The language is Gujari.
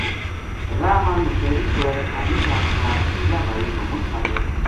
راہ ما نوسیری کولے حاجی صاحب کا دُوجا بھائی محمد ساجد